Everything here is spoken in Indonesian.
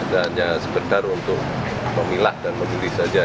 hanya segedar untuk pemilah dan memilih saja